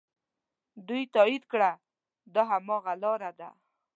دوی تایید کړه دا هماغه لاره ده.